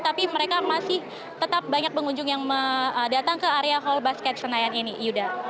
tapi mereka masih tetap banyak pengunjung yang datang ke area hall basket senayan ini yuda